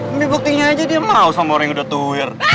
ini buktinya aja dia mau sama orang yang udah to wear